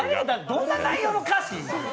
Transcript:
どんな内容の歌詞！？